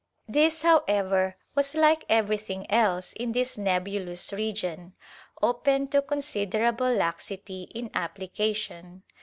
^ This, however, was, like everything else in this nebulous region, open to considerable laxity in application.